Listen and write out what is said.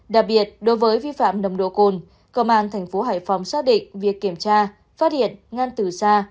đặc biệt đối với vi phạm nồng độ cồn công an thành phố hải phòng xác định việc kiểm tra phát hiện ngăn từ xa